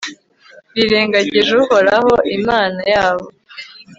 birengagije uhoraho, imana yabo